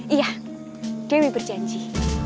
iya dewi berjanji